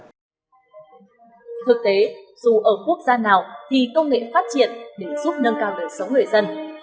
thực tế dù ở quốc gia nào thì công nghệ phát triển để giúp nâng cao đời sống người dân